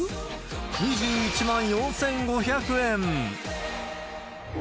２１万４５００円。